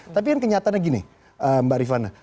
tapi kan kenyataannya gini mbak rifana